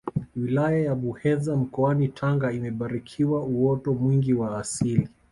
wilaya ya muheza mkoani tanga imebarikiwa uoto mwingi wa asili